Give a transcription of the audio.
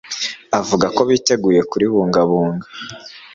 avuga ko biteguye kuribungabunga